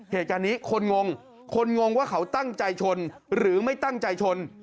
เหตุการณ์นี้คนงงคนงงว่าเขาตั้งใจชนหรือไม่ตั้งใจชน